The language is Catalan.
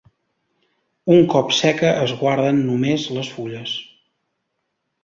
Un cop seca es guarden només les fulles.